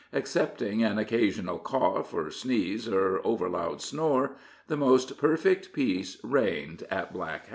Excepting an occasional cough, or sneeze, or over loud snore, the most perfect peace reigned at Black Hat.